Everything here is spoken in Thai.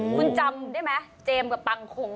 คุณจำได้ไหมเจมส์กับปังคง